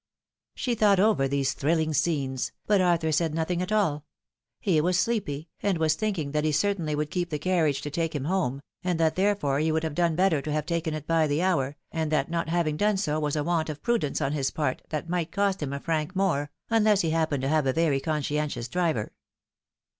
She thought over these thrilling scenes, but Arthur said nothing at all ; he was sleepy, and was thinking that he certainly would keep the carriage to take liim home, and that therefore he would have done better to have taken it by the hour, and that not having done so was a want of prudence on his part that might cost him a franc more, unless he happened to have a very conscientious driver.